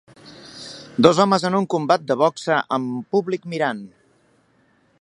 Dos homes en un combat de boxa amb públic mirant